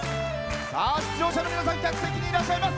出場者の皆さん客席にいらっしゃいます。